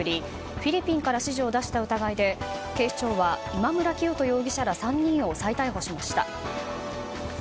フィリピンから指示を出した疑いで警視庁は今村磨人容疑者ら３人を再逮捕しました。